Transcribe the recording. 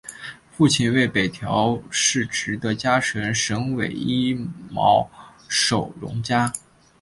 父亲为北条氏直的家臣神尾伊予守荣加。